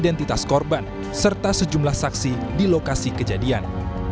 identitas korban serta sejumlah saksi di lokasi kejadian